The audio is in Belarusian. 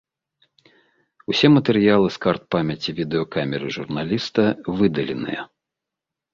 Усе матэрыялы з карт памяці відэакамеры журналіста выдаленыя.